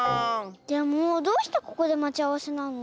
でもどうしてここでまちあわせなの？